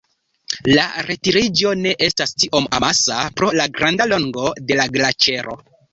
La retiriĝo ne estas tiom amasa pro la granda longo de la glaĉero.